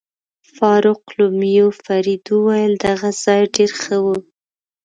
فاروقلومیو فرید وویل: دغه ځای ډېر ښه و.